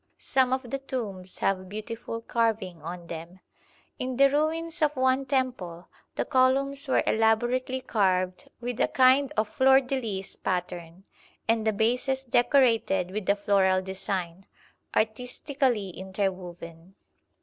Some of the tombs have beautiful carving on them. In the ruins of one temple the columns were elaborately carved with a kind of fleur de lis pattern, and the bases decorated with a floral design, artistically interwoven.